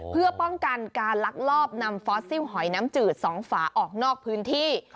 เพื่อป้องกันการลักลอบนำฟอสซิลหอยน้ำจืดสองฝาออกนอกพื้นที่